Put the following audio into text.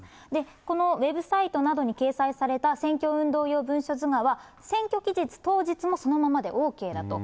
このウェブサイトなどに掲載された選挙運動用文書図画は、選挙期日当日もそのままでＯＫだと。